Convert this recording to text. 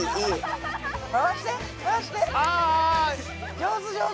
上手上手。